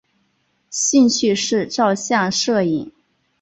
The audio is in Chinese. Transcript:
兴趣是照相摄影。